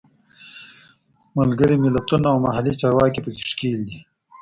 ملګري ملتونه او محلي چارواکي په کې ښکېل دي.